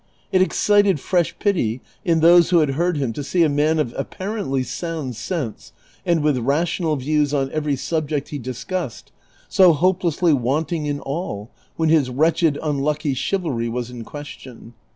It excited fresh pity in those who had heard him to see a man of appar ently sound sense, and with rational views on every subject he discussed, so hopelessly Avanting in all, when his wretched un lucky chivalry was in question.